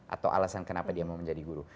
atau alasan kenapa dia mau menjadi guru